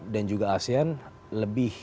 dan juga asean lebih